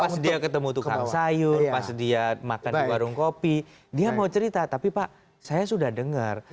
pas dia ketemu tukang sayur pas dia makan di warung kopi dia mau cerita tapi pak saya sudah dengar